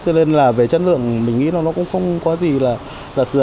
cho nên là về chất lượng mình nghĩ là nó cũng không có gì là